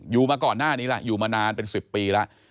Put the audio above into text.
อยู่มาก่อนหน้านี้ละอยู่มานานเป็น๑๐ปีละ